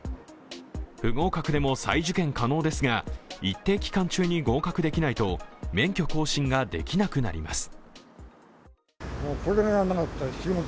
不合格でも再受検可能ですが一定期間中に合格できないと免許更新ができなくなります。